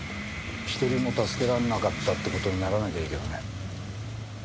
一人も助けられなかったって事にならなきゃいいけどね。